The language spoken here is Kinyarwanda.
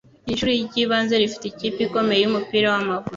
Iri shuri ryibanze rifite ikipe ikomeye yumupira wamaguru.